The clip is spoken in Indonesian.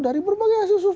dari berbagai asil survei